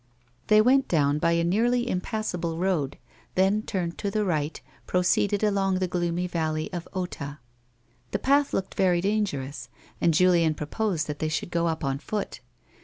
They went down hj a nearly impassible road, then turning to the right, proceeded along tlie gloomy valley of Ota. The path looked very dangerous, and Julien proposed that they should go up on foot.